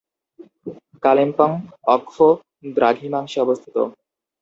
কালিম্পং অক্ষ-দ্রাঘিমাংশে অবস্থিত।